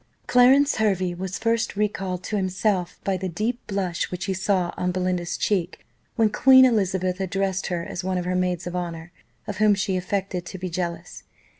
Clarence Hervey was first recalled to himself by the deep blush which he saw on Belinda's cheek, when Queen Elizabeth addressed her as one of her maids of honour, of whom she affected to be jealous.